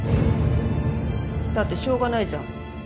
だってしょうがないじゃん。